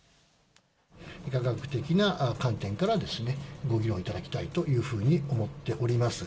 科学的な観点から、ご議論いただきたいというふうに思っております。